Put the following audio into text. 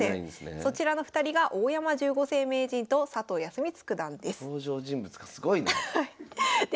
そちらの２人が大山十五世名人と佐藤康光九段です。登場人物がすごいなあ。